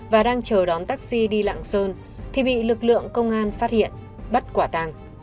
và đang chờ đón taxi đi lạng sơn thì bị lực lượng công an phát hiện bắt quả tàng